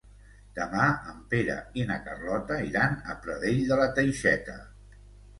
Demà en Pere i na Carlota iran a Pradell de la Teixeta.